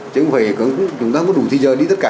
chứ không phải chúng ta có đủ thị trợ đi tất cả